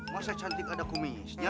masa cantik ada kumisnya